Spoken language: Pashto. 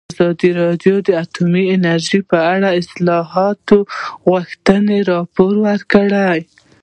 ازادي راډیو د اټومي انرژي په اړه د اصلاحاتو غوښتنې راپور کړې.